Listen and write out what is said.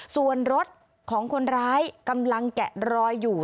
ส่วนรถของคนร้ายกำลังแกะรอยอยู่